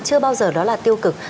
chưa bao giờ đó là tiêu cực